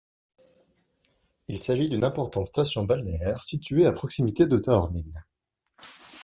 Il s'agit d'une importante station balnéaire, située à proximité de Taormine.